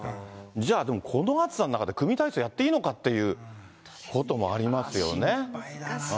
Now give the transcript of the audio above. じゃあでも、この暑さの中で組み体操やっていいのかっていうこともありますよね。